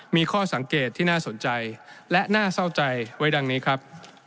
มีข้อสังเกตที่น่าสนใจและน่าเศร้าใจไว้ดังนี้ครับ